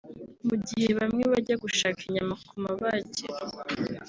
Mu gihe bamwe bajya gushaka inyama ku mabagiro